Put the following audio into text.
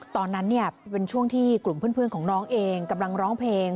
ตอนนั้นเป็นช่วงที่กลุ่มเพื่อนของน้องเองกำลังร้องเพลง